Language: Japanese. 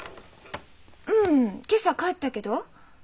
うん今朝帰ったけど？